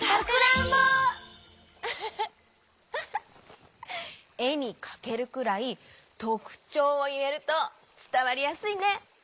ウフフえにかけるくらいとくちょうをいえるとつたわりやすいね。